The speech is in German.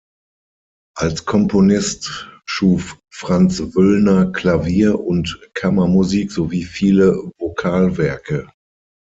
Als Komponist schuf Franz Wüllner Klavier- und Kammermusik sowie viele Vokalwerke.